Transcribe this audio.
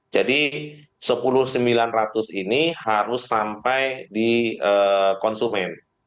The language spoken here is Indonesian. jadi rp sepuluh sembilan ratus ini harus sampai di konsumen